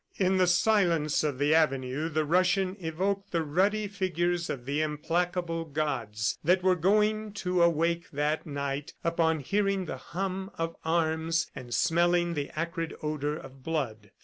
In the silence of the avenue, the Russian evoked the ruddy figures of the implacable gods, that were going to awake that night upon hearing the hum of arms and smelling the acrid odor of blood.